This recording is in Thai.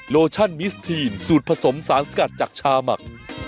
โลชั่นมิสทีนสูตรผสมสารสกัดจากชาหมัก